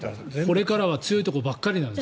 これからは強いところばっかりなんです。